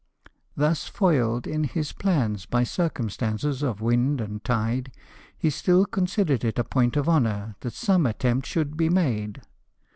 Thus foiled in his plans by circumstances of wind and tide, he still considered it a point of honour that some attempt should be made.